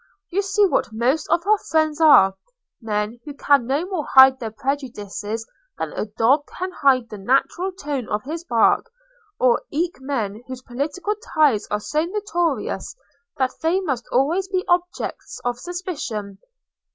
You see what most of our friends are: men who can no more hide their prejudices than a dog can hide the natural tone of his bark, or else men whose political ties are so notorious, that they must always be objects of suspicion.